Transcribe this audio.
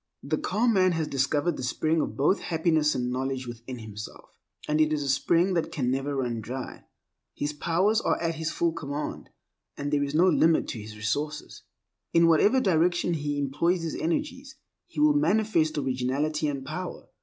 The calm man has discovered the spring of both happiness and knowledge within himself, and it is a spring than can never run dry. His powers are at his full command, and there is no limit to his resources. In whatever direction he employs his energies, he will manifest originality and power.